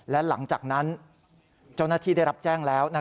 และหลังจากนั้นเจ้าหน้าที่ได้รับแจ้งแล้ว